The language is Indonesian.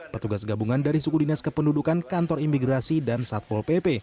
petugas gabungan dari suku dinas kependudukan kantor imigrasi dan satpol pp